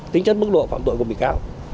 tính chất mức độ phạm tội của bị cáo